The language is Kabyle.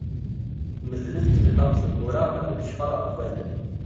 Neddlent fell-aɣ tewwura am lecfar ɣef wallen.